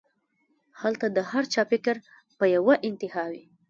هلته د هر چا فکر پۀ يوه انتها وي